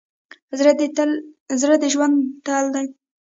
زړه د ژوند تل دی.